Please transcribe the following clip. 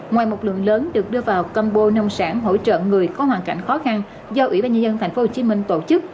ngoài một lượng lớn được đưa vào combo nông sản hỗ trợ người có hoàn cảnh khó khăn do ủy ban nhà dân thành phố hồ chí minh tổ chức